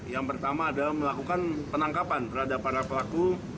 yang pertama adalah melakukan penangkapan terhadap para pelaku